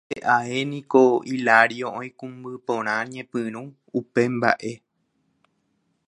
Upépe ae niko Hilario oikũmby porã ñepyrũ upe mba'e.